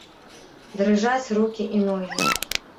Дрыжаць рукі і ногі.